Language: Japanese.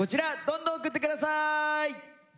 どんどん送って下さい！